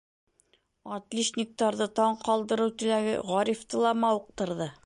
Отличниктарҙы таң ҡалдырыу теләге Ғарифты ла мауыҡтырҙы.